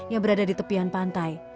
yang berada di tepian pantai